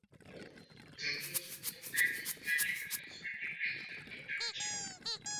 চলতি বছরের প্রথম তিন মাসে কয়েকটি মডেলের স্মার্টফোন ক্রেতাদের খুব টেনেছে।